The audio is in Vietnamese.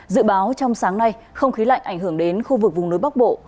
dự báo trong sáng nay không khí lạnh ảnh hưởng đến khu vực vùng núi bắc bộ